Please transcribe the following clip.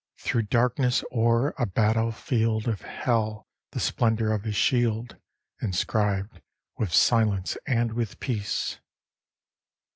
_ Through darkness o'er a battlefield Of Hell; the splendor of his shield Inscribed with silence and with peace.